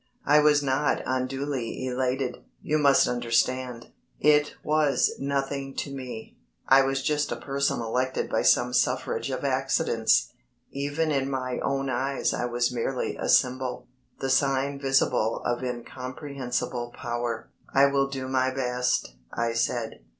I was not unduly elated, you must understand. It was nothing to me. I was just a person elected by some suffrage of accidents. Even in my own eyes I was merely a symbol the sign visible of incomprehensible power. "I will do my best," I said.